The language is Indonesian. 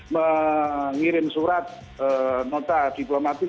mengirim surat nota diplomatik